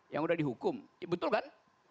yang udah dihukum betul kan